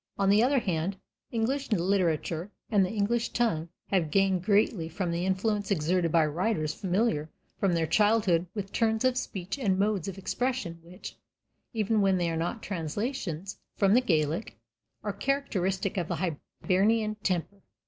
On the other hand, English literature and the English tongue have gained greatly from the influence exerted by writers familiar from their childhood with turns of speech and modes of expression which, even when they are not translations from the Gaelic, are characteristic of the Hibernian temper.